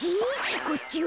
こっちは？